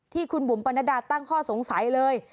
ที่คุณบุ๋มปรณดาตั้งข้อสงสัยเลย